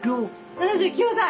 ７９歳。